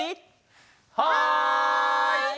はい！